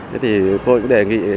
thế thì tôi cũng đề nghị